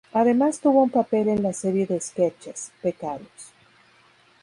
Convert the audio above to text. Además tuvo un papel en la serie de sketches "Becarios".